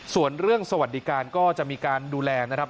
ส่วนเรื่องสวัสดิการก็จะมีการดูแลนะครับ